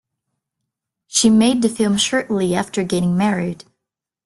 She made the film shortly after getting married.